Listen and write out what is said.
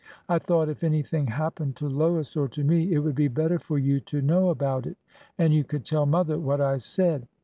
I thought, if anything happened to Lois or to me, it would be better for you to know about it, and you could tell mother what I said.